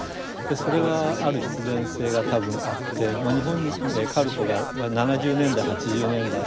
それはある必然性が多分あって日本でカルトが７０年代８０年代盛んに布教を始めていく。